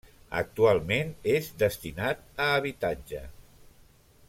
Actualment, és destinat a habitatge.